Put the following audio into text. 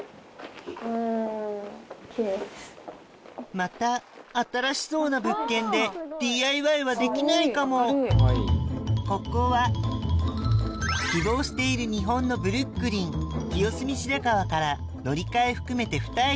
また新しそうな物件でＤＩＹはできないかもここは希望している日本のブルックリン清澄白河から乗り換え含めて２駅